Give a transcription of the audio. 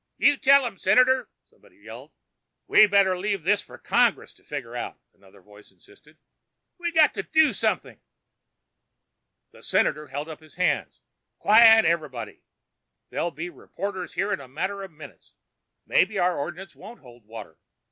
"You tell 'em, Senator!" someone yelled. "We better leave this for Congress to figger out!" another voice insisted. "We got to do something...." The senator held up his hands. "Quiet, everybody. There'll be reporters here in a matter of minutes. Maybe our ordinance won't hold water.